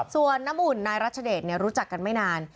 ส่วนน้ำอุ่นนายรัชเดชรู้จักกันไม่นาน